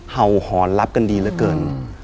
เห่าหอนรับกันดีเหลือเกิน